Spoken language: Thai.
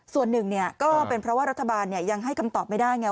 ส่วนหนึ่งก็เป็นเพราะว่ารัฐบาลยังให้คำตอบไม่ได้ไง